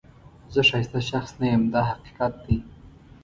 زه ښایسته شخص نه یم دا حقیقت دی.